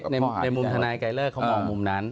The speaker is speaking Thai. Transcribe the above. ในมุมธนายไกลเลิกเขามองมุมนั้น